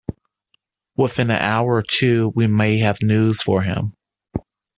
Within an hour or two we may have news for him.